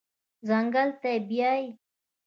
ځنګل ته بیایي